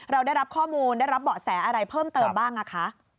เราได้รับข้อมูลได้รับเบาะแสอะไรเพิ่มเติมบ้างคะ